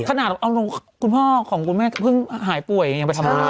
ขนาดเอาลงคุณพ่อของคุณแม่เพิ่งหายป่วยยังไปทำงาน